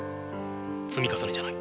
積み重ねじゃない。